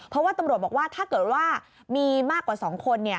เพราะว่าตำรวจบอกว่าถ้าเกิดว่ามีมากกว่า๒คน